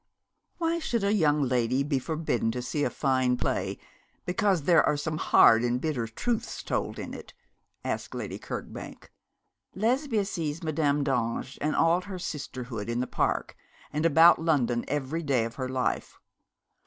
'Why should a young lady be forbidden to see a fine play, because there are some hard and bitter truths told in it?' asked Lady Kirkbank. 'Lesbia sees Madame d'Ange and all her sisterhood in the Park and about London every day of her life.